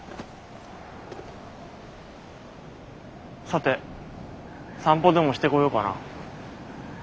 さて散歩でもしてこようかな。